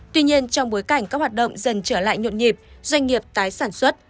tuy nhiên trong bối cảnh các hoạt động dần trở lại nhộn nhịp doanh nghiệp tái sản xuất